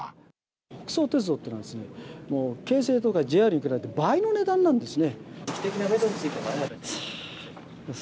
北総鉄道というのはですね、京成とかＪＲに比べて、倍の値段なんですね。